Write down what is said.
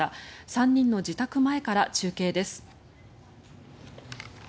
３人の自宅前から中継です。